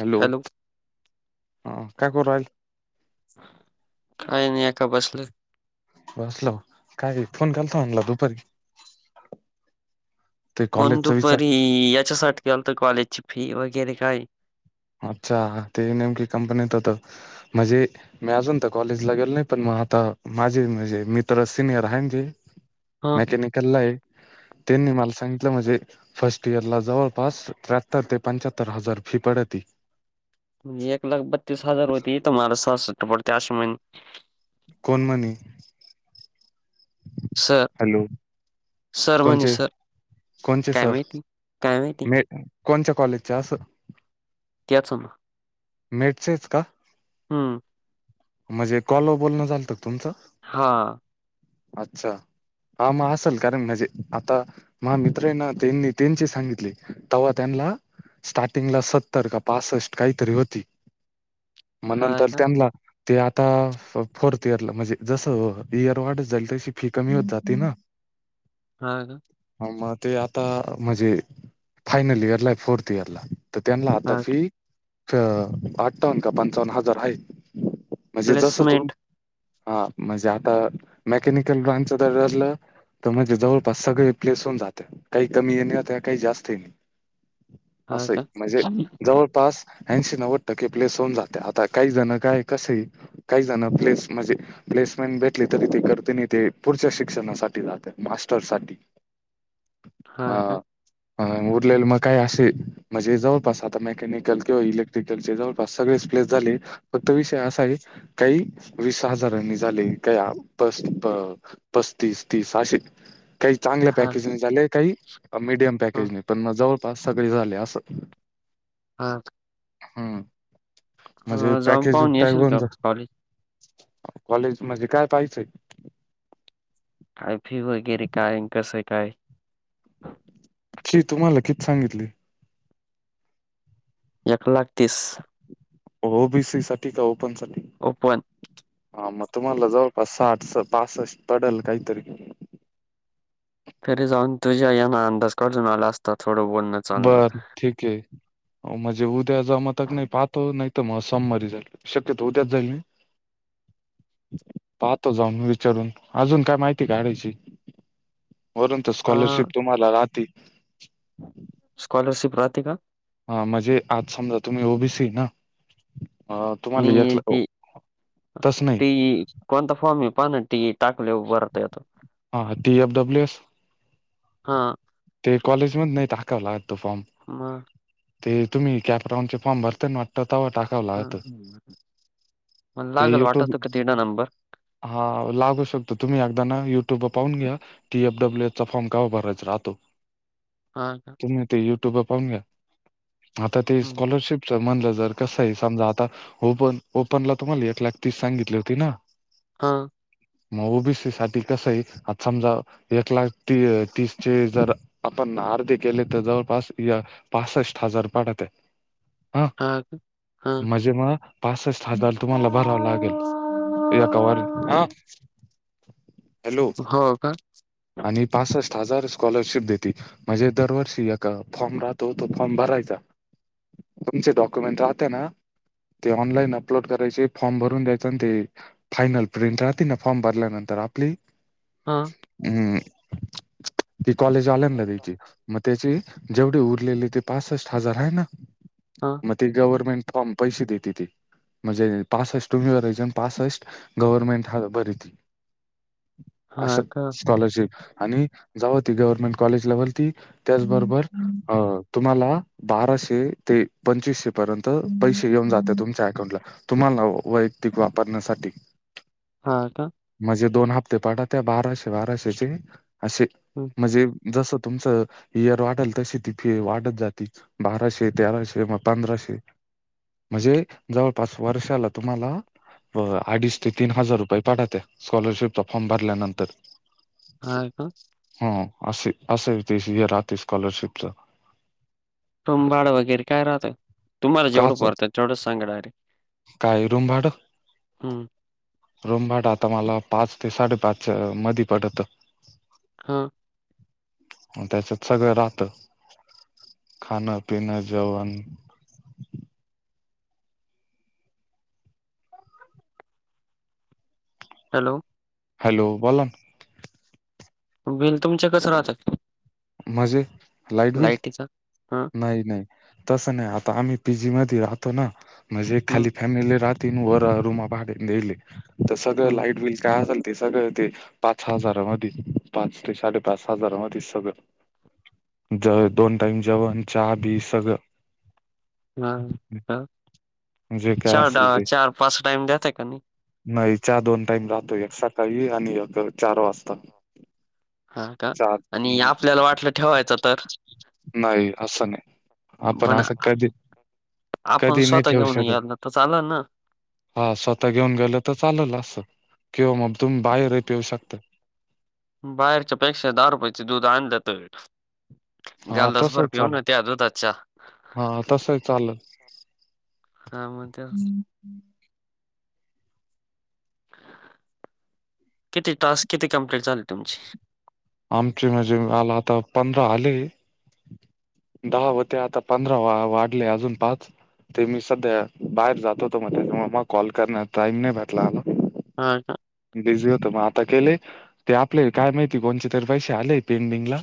Hello! हा काय करू राहिली? काय नाही ह का बसलोय बसल काय फोन कान लावला दुपारी. [inaudible] फोन कॉलेजचा विचार दुपारी याच्यासाठीलत कॉलेजची फी वगैरे काय अच्छा ते नेमकी कंपनीत होत म्हणजे, मी अजून तर कॉलेजला गेल नाही पण मग आता माझी म्हणजे मित्र सिनियर आहे जी. हा मेकॅनिकलला आहे त्यांनी मला सांगितलं म्हणजे, फर्स्ट इयर ला जवळपास त्र्याहत्तर ते पंच्याहत्तर हजार फी पडती. म्हण एक लाख बत्तीस हजार होती तुम्हाला सहासष्ट पडते असशी म्हहि. कोण म्हणलं. सर. हॅलो! सर म्हणे कोणचे सर काय मि काय मि‌. कोणच्या्या कॉलेजच्या असं. त्याचं मेटचेच का? हम्म! म्हणजे कॉलो बोलणं झालत तुमचं? हां. अच्छा हा मग असल कारण म्हजे आता. मा मित्र आहे ना त्यांनी त्यांची सांगितली तव्हा त्यांना स्टार्टिंगला सत्तर का पासष्ट काहीतरी होती मग हा नंतर का त्यांना ते आता फोर्थ इयरला म्हणजे जसं इयर वाढत जाली तशी फी कमी होत जाते ना. हं. हो का. ह मग ते आता म्हणजे फायनल इयर ला आहे फोर्थ इयर ला तर त्यांला आता हा का फी अ अठ्ठावन्न का पंचावन्न हजार आहे म्हणजे जस तु प्लेसमेंट हा म्हणजे आता मेकॅनिकल ब्रांचच तर रलं तर म्हणजे जवळपास सगळे प्लेस होऊन जाते काही कमी येणेता काही जास्त येणे हा असं का म्हणजे जवळपास हशी न वाटत की प्लेस होऊन जाते आता काही जण काय कस काही जण प्लेस म्हणजे प्लेसमेंट भेटली तरी ते करते आणि ते पुढच्या शिक्षणासाठी जात मास्टर् साठी. हा. अ उरलेल मग काय असे म्हणजे जवळपास आता मेकॅनिकल किंवा इलेक्ट्रिकल चे जवळपास सगळे प्लेस झाले फक्त विषय असा आहे काही वीस हजारांनी झाले का? पस्तीस तीस अशे. काही चांगल्या हा पॅकेजने झाले काही मीडियम ह पॅकेजने पण मग जवळपास सगळे झाले असं. हा. हम् म्हणजे जाऊन पॅकेज पाहून काय येशील का बनतो. कॉलेज कॉलेज म्हणजे काय पाहिजंय. काय फी वगैरे काय कसं काय. फी तुम्हाला किती सांगितली? एक लाख तीस. ओबीसी साठी का ओपन साठी? ओपन. हा मग तुम्हाला जवळपास साठ स पासष्ट पडेल काहीतरी तरी जाऊन तुझ्या यांना अंदाज कजून आला असता थोडं बोलण्यात. बर ठीक आहे म्हणजे उद्या जमा तक नाही पाहतो नाही उत्तम सोमवारी झाली शक्यत होत्याच झाली नाही. पाहतो जाऊन विचारून अजून काय माहिती काढायची. वरून तर अ, स्कॉलरशिप तुम्हाला राहाती. स्कॉलरशिप राहते का? हा म्हणजे आज समजा तुम्ही ओबीसी ना. तुम्हाला एक नए ते तस नाही ती कोणता फॉर्म मी पान टी टाकले भरता येतो. हा डी एफ डब्ल्यू एस हा. ते कॉलेजमध्ये करण्यासाठी जमध्ये नाही कावं लागत तो फॉर्म हा. ते तुम्ही कॅपराउन फॉम भर ना वाटत ते्हा टाक ह मला ते लागल युट्यूब वाटअपप तेडा नंबर हा लागू शकतो तुम्ही अदा ना युट्युब व पाहून घ्या. टीएफडब्ल्यूए चा फॉर्म का भरायच राहो. हा हा. तुम्ही ते युट्यूबर पाहून घ्या आता ते हं. स्कॉलरशिपच म्हणलं जर कसं आहे समजा आता ओपन ओपनला तुम्हाला एक लाख तीस सांगितली होती ना? हां, मग ओबीसी साठी कसं आहे आज समजा एक लाख ती तीस चे जर आपण आरधी केले तर जवळपास या पासष्ट हजार पडत्यात. हा हा [unintelligible] हा मजे मग पासष्ट हजार तुम्हाला भराव लागेल ऐकावर हा हॅलो हो का? आणि पास हजार स्कॉलरशिप देत ती म्हणजे दरवर्षी ए फॉर्म राहतो तो फॉर्म भरायचा. तुमचे डॉक्युमेंट राहते ना. ते ऑनलाईन अपलोड करायचे फॉर्म भरून द्यायचं आणि ते. फायनल प्रिंट राहातेना फॉर्म भरल्यानंतर आपली. हा. हम् ती कॉलेज आल्या ना त्याची मग त्याची. जेवढे उरलेले ते पासष्ट हजार आहे ना हा. मग ते गवर्नमेंट फॉर्म पैसे देती ती. म्हणजे पासषष्ट विव्हरेजन पासष्ट गव्हर्मेंट हा बरिती. असं हां का? स्कॉलरशिप आणि जेव्हती गव्हर्मेंट कॉलेज [inaudible] त्याचबरोबर अ तुम्हाला बाराशे ते पंचवीसशे पर्यंत पैसे येऊन जाते तुमच्या अकाउंटला. तुम्हाला वैयक्तिक वापरण्यासाठी. हा का? म्हणजे दोन हप्ते पडात्या बाराशे बाराशेचे असे. हं, म्हणजे जसं तुमचं ईयर वाढल तशी ती फी वाढत जाती. बाराशे तेराशे मग पंधराशे. म्हणजे जवळपास वर्षाला तुम्हाला अडीच ते तीन हजार रुपये पाठते स्कॉलरशिपचा फॉर्म भरल्यानंतर. हाय का? ह असे असे [unintelligible] राहते स्कॉलरशिपचा. टुंबाड वगैरे काय राहत? तुम्हाला जेवढं काच पडतं तेवढं सांगणा डायरेक्ट. काय हम्म. रोम भाड आता मला पाच ते साडेपाच मध्ये पडत. हा. म त्याच्यात सगळं राहत खाणं पिणं जेवण. हॅलो. हॅलो बोलना. बिल तुमच्या कं राहत मजे लाईट बिल, लाईटीचं? हां, नाही नाही. तस नाही आता आम्ही पीजी म राहतो ना म्हणजे हं, खाली फॅमिले रातीन वर रूमा भागले तर सगळं हं. लाईट बिल का. ते सगळं ते पाच हजारामध्ये पाच ते साडेपाच हजारामध्ये सगळं. ज दोन टाईम जेवण चहा बी सगळं. हा हा जे काय चार डा असेल ते पाच टाइम देते का नाही. नाही चहा दोन टाईम राहतो एक सकाळी आणि एक चार वाजता. हा का चार आणि आपल्याला वाटलं ठेवायचं तर. नाही असं नाही आपण पण असं आ कधी. आपण कधी नाही स्वतः ठेवू घेऊन याय शकत ना तर चालं ना. हा स्वतः घेऊन गेलं तर चालल असं किंवा मग तुम्ही बाहेरही पेऊ शकता. बाहेरच्या पेक्षा दहा रुपयाचे दूध आण दात वेट. हा गलभर तसही पिऊ चाल ना त्या दुधाचा चहा. हा तसं चाललय. हा म तेच. किती टास्क किती कमप्लीट झाली तुमची. आमचे म्हणजे आला आता पंधरा आले. दहा होते आता पंधरा वा वाढले अजून पाच. ते मी सध्या बाहेर जातो होतो म मग कॉल करण्या टाईम नाही भेटला मला. होय का. बिझी होत मग आता केलेय ते आपले काय माहिती कोणचे तरी पैसे आले पेंडिंगला.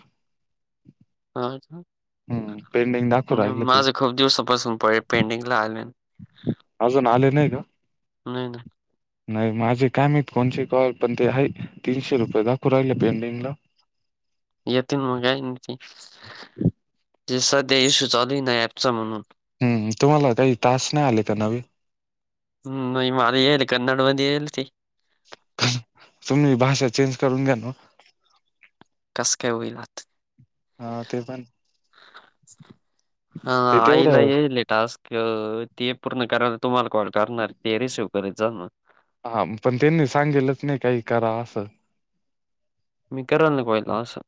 हा का, हम्म पेंडिंग दा ''--'' माझं खूप दिवसापासून प पेंटिंग ला आले. अजून आले नाही का. नाही ना, नाही माझे कायमत कोणची कल पण ते हा तीनशे रुपये दखू राहिले पेंडिंगला. येतील मग काय ते ते सध्या इश्यू चालू आहे ना ऍपचा म्हणून. हम्म तुम्हाला काही टास्क नाही आले का नवे. हम्म माझ हेल कनड मध्ये हलती. तुम्ही भाषा चेंज करून घ्या ना. कस काय होईल आत. हा ते पण हा ते आईला तेवढं येले टास्क. क ते पूर्ण करायला तुम्हाला कॉल करणार ते रिसीव करीत जा ना. हा पण त्यांनी सांगितलंच नाही काही करा असं. मी करल ना कॉइल असं.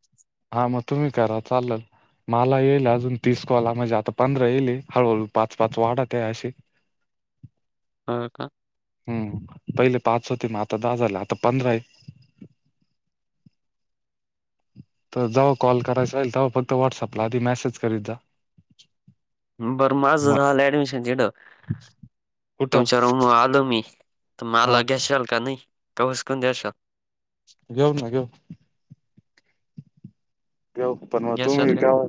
हा मग तुम्ही करा चालल. मला येईल अजून तीस कॉला म्हणजे आता पंधरा येईल हळूहळू पाच पाच वाढत आहे असे. [inaudible] हो का. हम् पहिले पाच होते मग आता दहा झाले आता पंधरा आहे. तर जव्हा कॉल करायचा होईल तेव्हा फक्त व्हॉट्सअपला आधी मेसेज करीत जा. बरं माझं मग झालं ऍडमिशन तिड. कुठं तुमच्या रूम आलो मी तर हा माला घ्याशल का नाही वसकून द्याशल. घेऊ ना घेऊ. घेऊ पण मग घेशाल तुम्ही का? ठेवाव.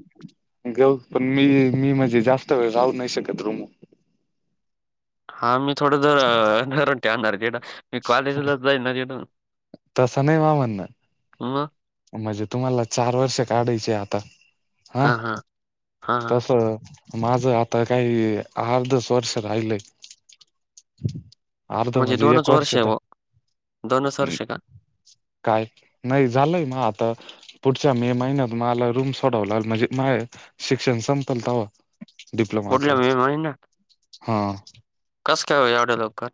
घेऊ पण मी मी म्हणजे जास्त वेळ राहू नाही शकत रुम वर. हा मी थोडं जरर ठवणार जरा. मी कॉलेजला जाईणार ये न तसं नाही मा म्हणणं मग. म्हणजे तुम्हाला चार वर्ष काढायचे आता हा हां हां. हां हां. तस माझं आता काही अर्धच वर्ष राहिलंय. [inaudible] अर्ध म्हणजे म्हणज एक दोनच वर्ष वर्षे आहे धर बुवा. दोनच हम्म. वर्ष का? काय? नाही झालंय मग आता. पुढच्या मे महिन्यात मला रूम सोडव म्हणजे माय शिक्षण संपल तवा. डिप्लोमाच पुढल्या मे हा. कस काय एवढ्या लवकर?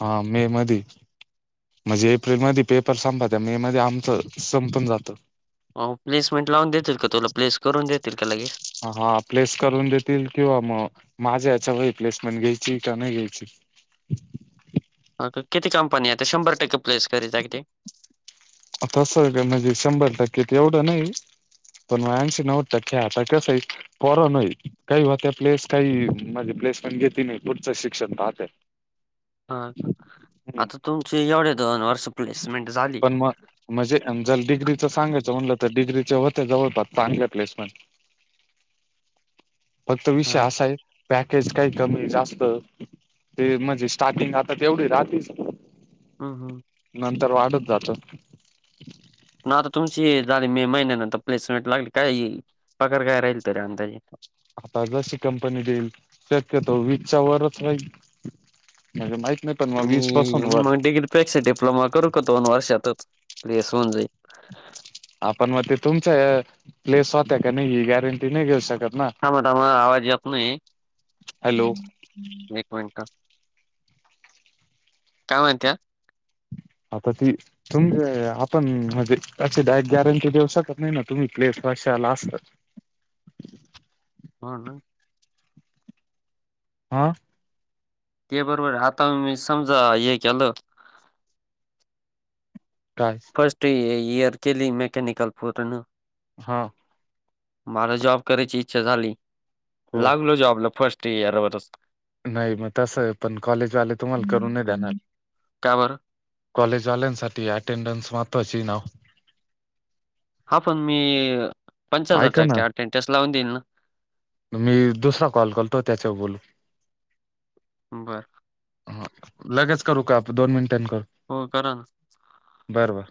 हा मे मध्ये म्हणजे एप्रिलमध्ये पेपर संपत्या मे मध्ये आमचं संपुन जात. हो प्लेसमेंट लावून देतील का तुला प्लेस करून देतील का लगेच? हा प्लेस करून देतील किंवा मग माझ्या याच्या व प्लेसमेंट घ्यायची का नाही घ्यायची. आता किती कंपनी आहे शंभर टक्के प्लेस करीत आहे ते? आता सध्या का म्हणजे शंभर टक्के ते एवढं नाही. पण आशी नऊद टक्के आता कस आहे पोरांवर होईल काही हो त्या प्लेस काही म्हणजे प्लेस पण घेतती नाही पुढचं शिक्षण पाहत [inaudible] हा का आता तुमचे एवढ्या दोन वर्षांत पण मग. म्हणजे जर डिग्रीचं सांगायचं म्हटलं तर डिग्रीचे होते जवळपास चांगे प्लेसमेंट फक्त विषय हां का? असा आहे पॅकेज काही कमी जास्त. ते म्हणजे स्टार्टिंग आता तेवढी राहातीच. हम्म, हम्म. नंतर वाढत जात. ना आता तुमची झाली मे महिन्यानंतर प्लेसमेंट लागली काय पगार काय राहील तरी अंदाजे? आता जशी कंपनी देईल शक्यतो वीस च्या वरच राहील. म्हणजे माहित नाही पण मग वीस पासून वर. पेक्षा डिप्लोमा करू का दोन वर्षातच प्लीएस होऊन जाईल. आपण मग ते तुमचा प्लेस होता का नाही ही गॅरंटी नाही घेऊ शकत ना. थांबा, थांबा आवाज येत नाही हॅलो एक मिनट काय म्हणत्यात? आता ती तुम आपण म्हणजे अशी डायरेक्ट गॅरंटी देऊ शकत नाही ना तुम्ही प्लेस वर्षाला अस. हा ना. हा... ते बरोबर आहे आता मी समजा हे केलं काय? फर्स्ट इयर केली मेकॅनिकल पूर्ण. हा.. मला जॉब करायची इच्छा झाली हो लागलो जॉबला फस्ट इअर वरच नाही मग तसं पण कॉलेजवाले तुम्हाला करून नाही देणार. का बरं? कॉलेजवाल्यांसाठी अटेंडन्स महत्त्वाची आहे नाव? हा पण मी पंच्याहत्तर ऐका ना टक्के अटेंडन्स लावून देईन ना. मी दुसरा कॉल करतो त्याच्यावर बोलु. बरं. हा लगेच करू का आप दोन मिनिटान करू? हो करा. बरं बरं.